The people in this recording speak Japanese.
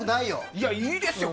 いや、いいですよ。